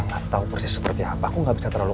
gak tau persis seperti apa aku gak bisa terlalu